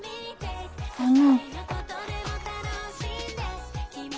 あの。